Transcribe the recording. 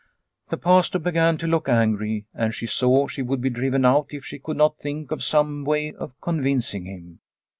The Pastor began to look angry, and she saw she would be driven out if she could not think of some way of convincing him.